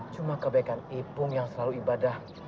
cuma kebaikan ipung yang selalu ibadah